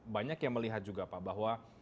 banyak yang melihat juga pak bahwa